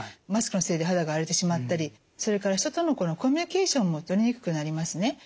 マスクのせいで肌が荒れてしまったりそれから人とのコミュニケーションもとりにくくなりますね。